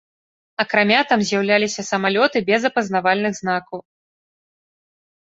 Акрамя там з'яўляліся самалёты без апазнавальных знакаў.